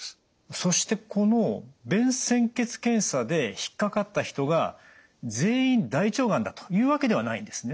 そしてこの便潜血検査で引っ掛かった人が全員大腸がんだというわけではないんですね。